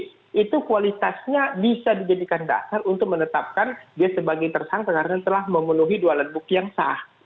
itu kualitasnya bisa dijadikan dasar untuk menetapkan dia sebagai tersangka karena telah memenuhi dua alat bukti yang sah